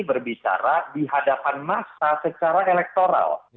berbicara di hadapan massa secara elektoral